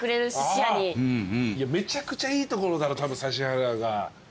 めちゃくちゃいいところだろたぶん指原が。